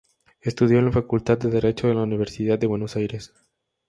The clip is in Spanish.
Estudió en la Facultad de Derecho de la Universidad de Buenos Aires.